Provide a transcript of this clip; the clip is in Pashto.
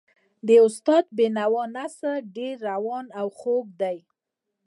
د استاد د بینوا نثر ډېر روان او خوږ دی.